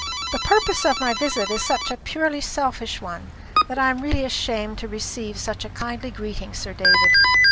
"The purpose of my visit is such a purely selfish one, that I am really ashamed to receive such a kindly greeting, Sir David.